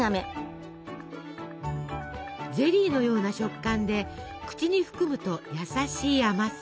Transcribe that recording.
ゼリーのような食感で口に含むと優しい甘さ。